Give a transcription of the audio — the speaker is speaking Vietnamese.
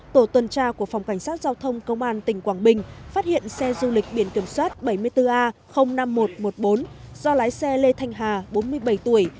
tổ tuần tra của phòng cảnh sát giao thông công an tỉnh quảng bình phát hiện xe du lịch biển kiểm soát bảy mươi bốn a năm nghìn một trăm một mươi bốn do lái xe lê thanh hà bốn mươi bảy tuổi